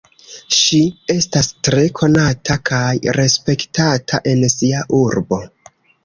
Ŝi estas tre konata kaj respektata en sia urbo.